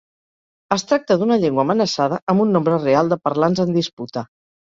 Es tracta d'una llengua amenaçada amb un nombre real de parlants en disputa.